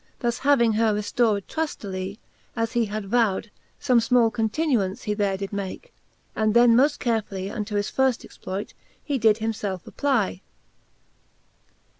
Thus having her reftored truftily, As he had vow'd, fbme fmall continuaunce He there did make, and then doft carefully Unto his fir ft exploite he did him felfe apply.